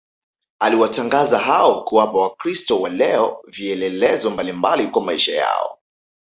aliwatangaza hao kuwapa wakristo wa leo vielelezo mbalimbali kwa maisha yao